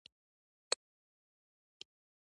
ستا په لیدو ډېر خوشاله شوم.